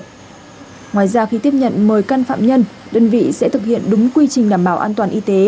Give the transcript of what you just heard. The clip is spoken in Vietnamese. ngoài ra khi tiếp nhận mời căn phạm nhân đơn vị sẽ thực hiện đúng quy trình đảm bảo an toàn y tế